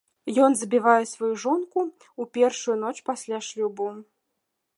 Ён забівае сваю жонку ў першую ноч пасля шлюбу.